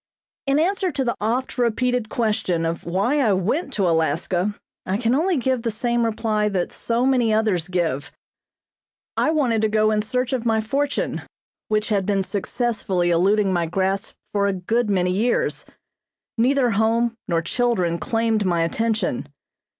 In answer to the oft repeated question of why I went to Alaska I can only give the same reply that so many others give: I wanted to go in search of my fortune which had been successfully eluding my grasp for a good many years. Neither home nor children claimed my attention.